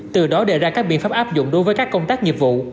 từ đó đề ra các biện pháp áp dụng đối với các công tác nghiệp vụ